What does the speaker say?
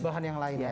bahan yang lain ya